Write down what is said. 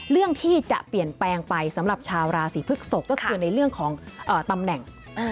เรื่องที่จะเปลี่ยนแปลงไปสำหรับชาวราศีพฤกษกก็คือในเรื่องของตำแหน่ง